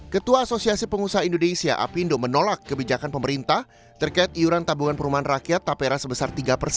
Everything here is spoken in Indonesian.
ketua asosiasi pengusaha indonesia apindo menolak kebijakan pemerintah terkait iuran tabungan perumahan rakyat tapera sebesar tiga persen